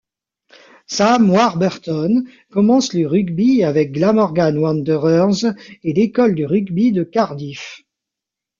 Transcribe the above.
Sam Warburton commence le rugby avec Glamorgan Wanderers et l'école de rugby de Cardiff.